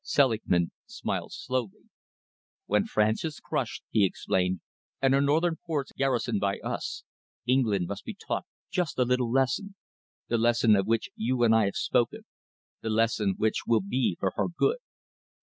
Selingman smiled slowly. "When France is crushed," he explained, "and her northern ports garrisoned by us, England must be taught just a little lesson, the lesson of which you and I have spoken, the lesson which will be for her good.